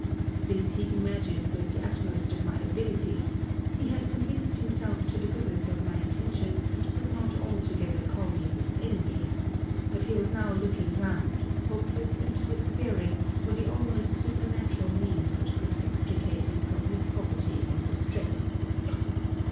This he imagined was the utmost of my ability; he had convinced himself of the goodness of my intentions, and could not altogether call me his enemy; but he was now looking round, hopeless and despairing, for the almost supernatural means which could extricate him from his poverty and distress.